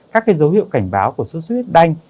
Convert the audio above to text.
các dấu hiệu cảnh báo của sốt xuất huyết đanh